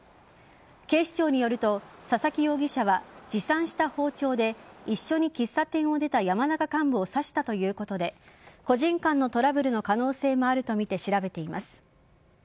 警視庁によると、佐々木容疑者は持参した包丁で一緒に喫茶店を出た山中幹部を刺したということで個人間のトラブルの可能性もあるとみて調べています。